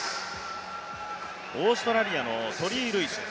オーストラリアのトリー・ルイス。